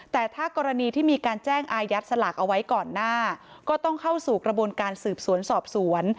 แต่ถ้ากรณีที่มีการแจ้งอายัดสลากเอาไว้ก่อนหน้าก็ต้องเข้าสู่กระบวนการสืบสวนสอบสวน